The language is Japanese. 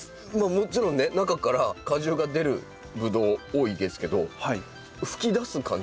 もちろんね中から果汁が出るブドウ多いですけど噴き出す感じ。